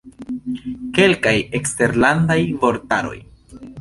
Kelkaj eksterlandaj vortaroj.